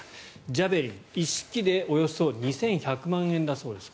ジャベリン一式でおよそ２１００万円だそうです。